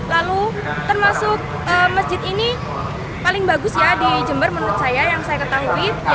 lalu termasuk masjid ini paling bagus ya di jember menurut saya yang saya ketahui